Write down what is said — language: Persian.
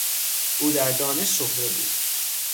او در دانش شهره بود.